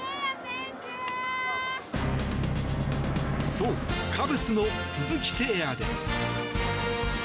そう、カブスの鈴木誠也です。